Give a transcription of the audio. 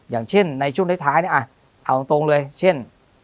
อย่างเช่นในช่วงท้ายเนี่ยเอาตรงเลยเช่น